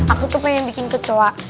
aku tuh pengen bikin kecoa